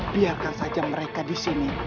biarkan saja mereka di sini